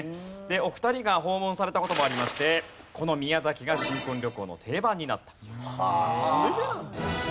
お二人が訪問された事もありましてこの宮崎が新婚旅行の定番になった。